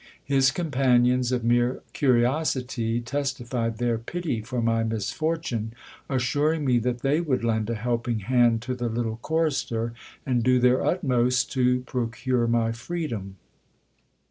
His companions of mere curiosity testified their pity for my misfortune ; assuring me that they would lend a helping hand to the little chorister, and do their utmost to procure my freedom.